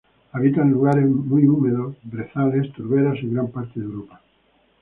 Habita en lugares muy húmedos, brezales, turberas en gran parte de Europa.